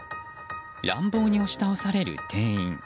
乱暴に押し倒される店員。